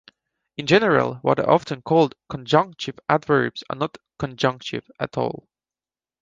In general, what are often called "conjunctive adverbs" are not con-junctive at all.